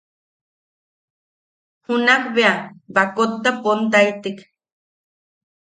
Junak bea baakotta pontaitek.